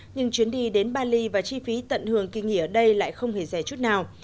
nhưng chuyến đi đến bali và chi phí tận hưởng kỳ nghỉ ở đây lại không hề rẻ chút nào